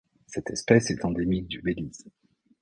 Cette espèce est endémique du Belize.